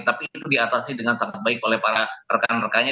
tapi itu diatasi dengan sangat baik oleh para rekan rekannya